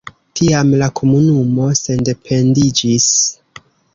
Tiam la komunumo sendependiĝis.